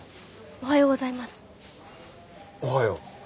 おはよう。